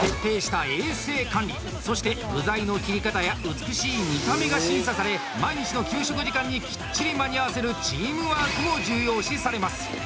徹底したそして具材の切り方や美しい見た目が審査され毎日の給食時間にきっちり間に合わせるチームワークも重要視されます。